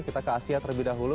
kita ke asia terlebih dahulu